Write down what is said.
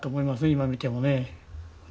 今見てもね。